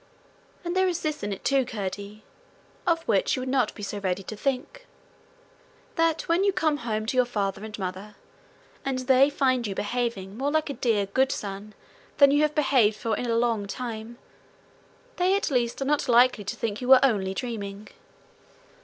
And there is this in it, too, Curdie of which you would not be so ready to think that when you come home to your father and mother, and they find you behaving more like a dear, good son than you have behaved for a long time, they at least are not likely to think you were only dreaming.'